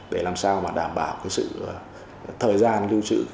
để làm sao đảm bảo thời gian lưu trữ